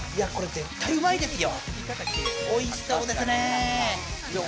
絶対うまいですよ！